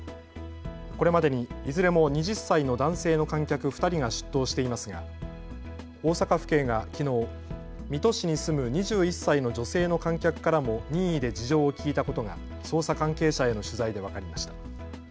これまでにいずれも２０歳の男性の観客２人が出頭していますが、大阪府警がきのう水戸市に住む２１歳の女性の観客からも任意で事情を聴いたことが捜査関係者への取材で分かりました。